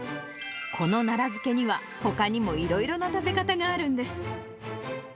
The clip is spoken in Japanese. この奈良漬けには、ほかにも、いろいろな食べ方があるんです。